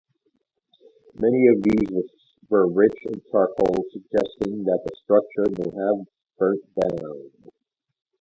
Many of these were rich in charcoal suggesting the structure may have burnt down.